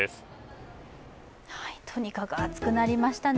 とにかく暑くなりましたね。